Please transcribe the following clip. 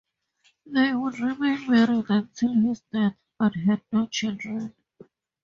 They would remain married until his death, but had no children.